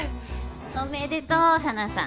おめでとう紗菜さん。